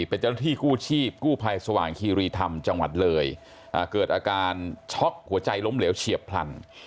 เป็นเจ้าหน้าที่กู้ชีพกู้ภัยสว่างคีรีธรรมจังหวัดเลยเกิดอาการช็อกหัวใจล้มเหลวเฉียบพลัน